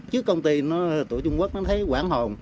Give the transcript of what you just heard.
trước công ty nó tổ trung quốc nó thấy quảng hồn